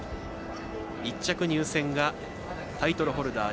１着入線がタイトルホルダー。